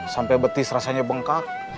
sampai betis rasanya bengkak